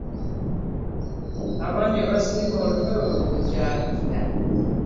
Abanji we basiima olunwe we kyabikira .